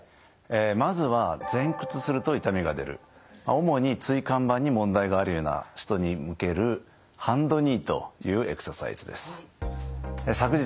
まずは前屈すると痛みが出る主に椎間板に問題があるような人に向けるハンドニーというエクササイズです。